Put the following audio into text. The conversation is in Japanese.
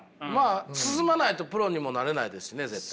進まないとプロにもなれないですしね絶対。